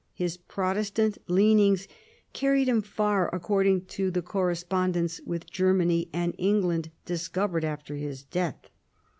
His Protestant leanings carried him far, according to the correspondence with Germany and England discovered after his death.